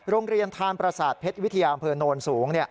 โรงเรียนทานประสาทเพชรวิทยาอำเภอโนนสูง